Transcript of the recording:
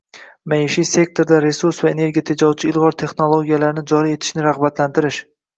maishiy sektorda resurs va energiya tejovchi ilg‘or texnologiyalarni joriy etishni rag‘batlantirish